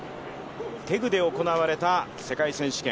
テグで行われた世界選手権。